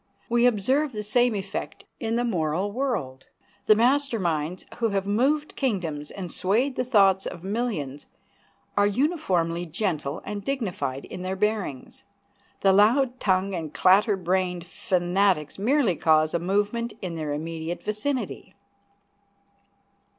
We observe the same effect in the moral world; the master minds who have moved kingdoms and swayed the thoughts of millions are uniformly gentle and dignified in their bearings. The loud tongued and clatter brained fanatics merely cause a movement in their immediate vicinity.